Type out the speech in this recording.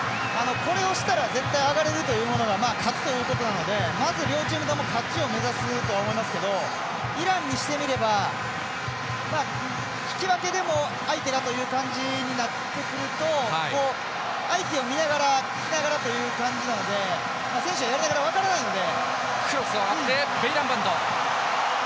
これをしたら絶対上がれるというのは勝つということなのでまず両チームとも勝ちを目指すと思いますけどイランにしてみれば引き分けでも相手だという感じになってしまうと相手を見ながらという感じなので選手はやりながら分からないので。